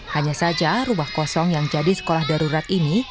hanya saja rumah kosong yang jadi sekolah darurat ini